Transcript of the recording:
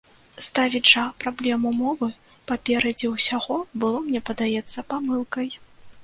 Ставіць жа праблему мовы паперадзе ўсяго было, мне падаецца, памылкай.